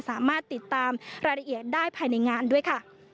สามารถติดตามรายละเอียดได้ภายในงานด้วยค่ะ